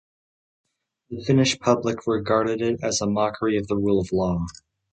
The Finnish public regarded it as a mockery of the rule of law.